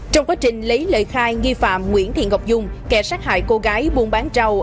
trong quá trình lấy lời khai nghi phạm nguyễn thị ngọc dung kẻ sát hại cô gái buôn bán rau